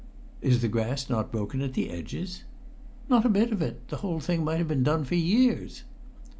"Is the grass not broken at the edges?" "Not a bit of it; the whole thing might have been done for years."